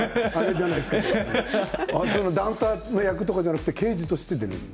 ダンサー役じゃなくて刑事として出ているの？